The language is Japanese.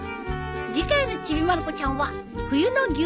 次回の『ちびまる子ちゃん』は。